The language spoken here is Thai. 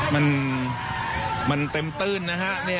มันมันเต็มตื่นนะฮะเนี่ยภาพที่เห็น